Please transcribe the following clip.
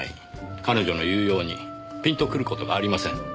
彼女の言うようにピンとくる事がありません。